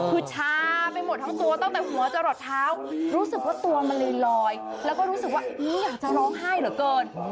คือชาไปหมดทั้งตัวตั้งแต่หัวจะหลดเท้ารู้สึกว่าตัวมันลอยแล้วก็รู้สึกว่าอยากจะร้องไห้เหลือเกิน